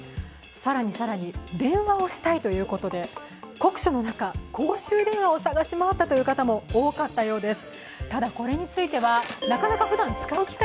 更に更に、電話をしたいということで酷暑の中、公衆電話を探し回ったという人も多かったようです。